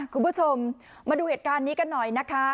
คุณผู้ชมมาดูเหตุการณ์นี้กันหน่อยนะคะ